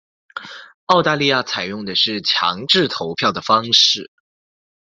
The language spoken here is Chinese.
澳大利亚采用的是强制投票的方式。